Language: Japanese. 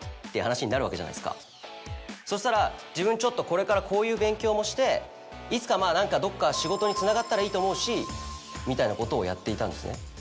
そしたら「自分ちょっとこれからこういう勉強もしていつかまぁ何かどっか仕事につながったらいいと思うし」みたいなことをやっていたんですね。